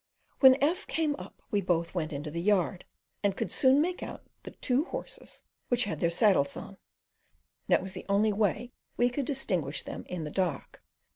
When F came up we both went into the yard, and could soon make out the two horses which had their saddles on that was the only way we could distinguish them in the dark.